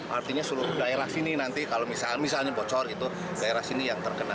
artinya seluruh daerah sini nanti kalau misalnya bocor gitu daerah sini yang terkena